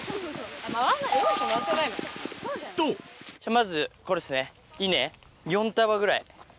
まず、これですね、稲、４束ぐらい。